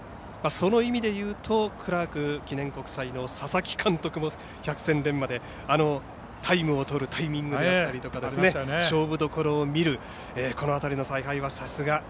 その意味で言うとクラーク記念国際の佐々木監督も百戦錬磨でタイムを取るタイミングだったり勝負どころを見るこの辺りの采配はさすが。